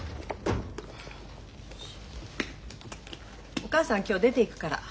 ・お母さん今日出ていくから。